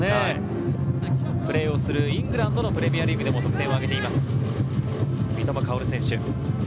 プレーをするイングランドのプレミアリーグでも得点を挙げています、三笘薫選手。